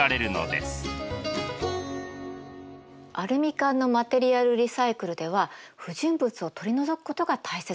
アルミ缶のマテリアルリサイクルでは不純物を取り除くことが大切なの。